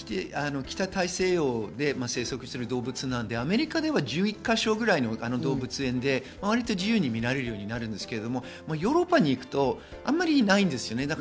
北大西洋で生息している動物なので、アメリカでは１１か所ぐらいの動物園で割と自由に見られるようになりますが、ヨーロッパに行くとあまりないんですよね。